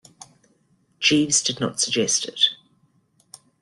Jeeves did not suggest it.